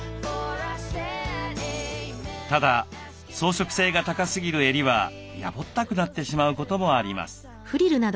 ただ装飾性が高すぎる襟はやぼったくなってしまうこともあります。